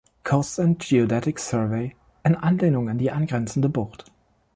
Coast and Geodetic Survey in Anlehnung an die angrenzende Bucht.